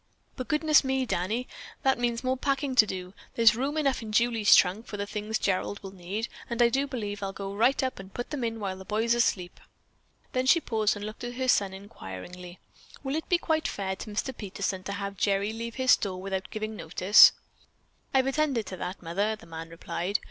"But, goodness me, Danny, that means more packing to do. There's room enough in Julie's trunk for the things Gerald will need, and I do believe I'll go right up and put them in while the boy's asleep." Then she paused and looked at her son inquiringly. "Will it be quite fair to Mr. Peterson to have Gerry leave his store without giving notice?" "I've attended to that, mother," the man replied.